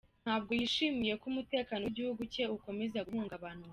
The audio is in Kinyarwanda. Ntabwo yishimiye ko umutekano w’igihugu cye ukomeza guhungabanwa.